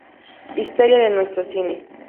Historia de nuestro cine.